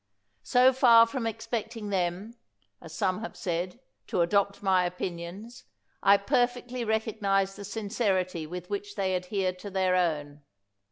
So far from expecting them, as some have said, to adopt my opinions, I per fectly recognize the sincerity with which they adhere to their own.